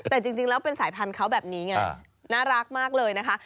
แต่จริงแล้วเป็นสายพันธุ์เขาแบบนี้ไงน่ารักมากเลยนะคะ